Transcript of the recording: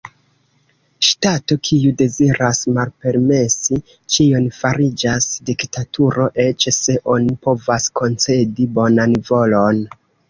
Ŝtato kiu deziras malpermesi ĉion fariĝas diktaturo, eĉ se oni povas koncedi bonan volon.